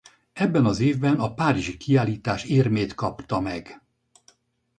Ebben az évben a párizsi kiállítás érmét kapta meg.